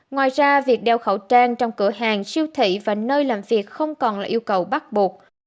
ngoài ra việc đeo khẩu trang trong cửa hàng siêu thị và nơi làm việc không còn là yêu cầu bắt buộc